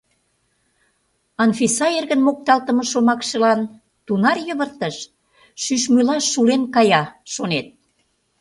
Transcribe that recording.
Анфиса эргын мокталтыме шомакшылан тунаре йывыртыш, шӱшмӱйла шулен кая, шонет.